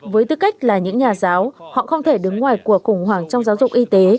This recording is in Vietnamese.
với tư cách là những nhà giáo họ không thể đứng ngoài cuộc khủng hoảng trong giáo dục y tế